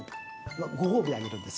ご褒美あげるんです